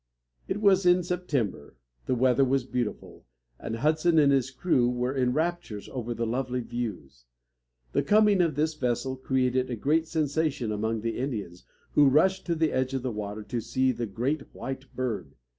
It was in September, the weather was beautiful, and Hudson and his crew were in raptures over the lovely views. The coming of this vessel created a great sensation among the Indians, who rushed to the edge of the water to see the "great white bird."